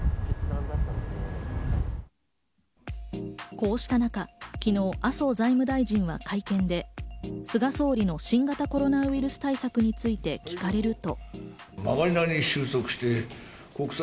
こうした中、昨日、麻生財務大臣は会見で、菅総理の新型コロナウイルス対策について聞かれると。